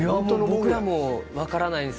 僕らも分からないです。